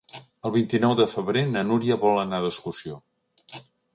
El vint-i-nou de febrer na Núria vol anar d'excursió.